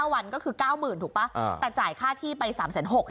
๙วันก็คือ๙๐๐๐๐ถูกปะแต่จ่ายค่าที่ไป๓๖๐๐๐๐อย่างนี้